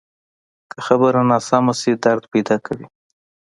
که خبره ناسمه شي، درد پیدا کوي